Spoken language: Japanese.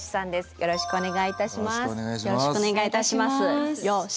よろしくお願いします。